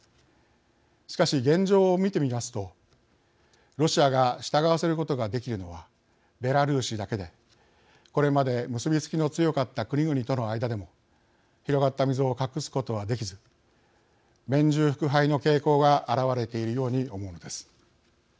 しかし現状を見てみますとロシアが従わせることができるのはベラルーシだけでこれまで結び付きの強かった国々との間でも広がった溝を隠すことはできず面従腹背の傾向が表れているように思うのです。